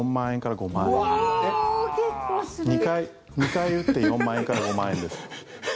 ２回打って４万円から５万円です。